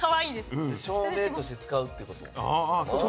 照明として使うってこと？